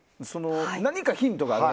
何かヒントがあれば。